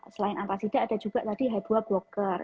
selain alka sida ada juga tadi h dua blocker